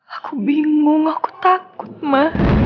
aku bingung aku takut mah